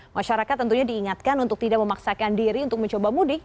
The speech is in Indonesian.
masyarakat tentunya diingatkan untuk tidak memaksakan diri untuk mencoba mudik